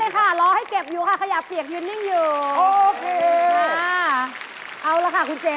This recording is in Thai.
ถูกที่สุด